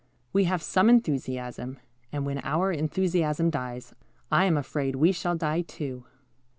We have some enthusiasm, and when our enthusiasm dies, I am afraid we shall die, too.